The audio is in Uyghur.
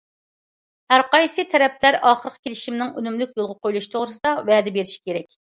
ھەر قايسى تەرەپلەر ئاخىرقى كېلىشىمنىڭ ئۈنۈملۈك يولغا قويۇلۇشى توغرىسىدا ۋەدە بېرىشى كېرەك.